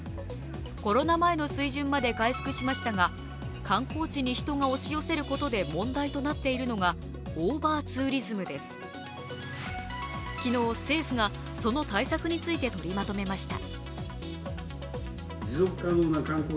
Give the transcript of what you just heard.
コロナ前の水準まで回復しましたが、観光地に人が押し寄せることで問題となっているのがオーバーツーリズムです昨日政府がその対策について取りまとめました